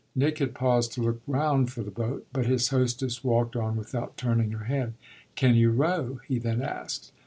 Nick had paused to look round for the boat, but his hostess walked on without turning her head. "Can you row?" he then asked.